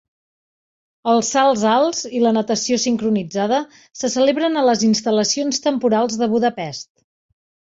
Els salts alts i la natació sincronitzada se celebren a les instal·lacions temporals de Budapest.